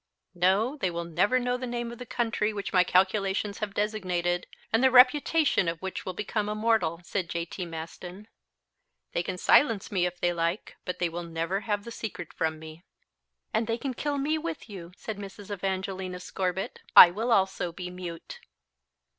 "No, they will never know the name of the country which my calculations have designated, and the reputation of which will become immortal," said J.T. Maston. "They can silence me if they like, but they will never have the secret from me." "And they can kill me with you," said Mrs. Evangelina Scorbitt; "I will also be mute."